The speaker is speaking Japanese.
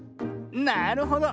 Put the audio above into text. なるほど。